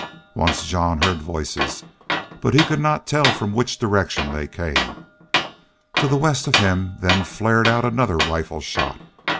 Once Jean heard voices, but could not tell from which direction they came. To the west of him then flared out another rifle shot.